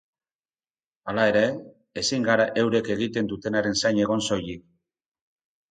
Hala ere, ezin gara eurek egiten dutenaren zain egon soilik.